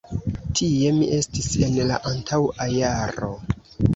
Tie mi estis en la antaŭa jaro.